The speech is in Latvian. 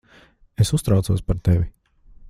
Es uztraucos par tevi.